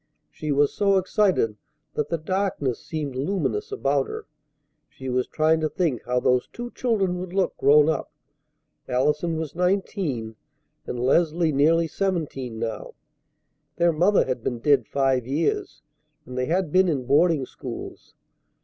She was so excited that the darkness seemed luminous about her. She was trying to think how those two children would look grown up. Allison was nineteen and Leslie nearly seventeen now. Their mother had been dead five years, and they had been in boarding schools.